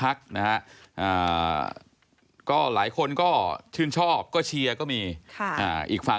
อะไรอย่างนี้ก็มี